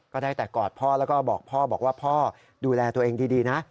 ก็ได้แต่กอดพ่อแล้วก็บอกพ่อบอกว่าพ่อดูแลตัวเองดีนะ